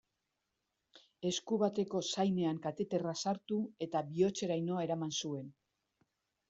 Esku bateko zainean kateterra sartu eta bihotzeraino eraman zuen.